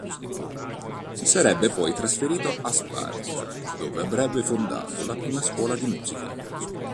Si sarebbe poi trasferito a Sparta, dove avrebbe fondato la prima scuola di musica.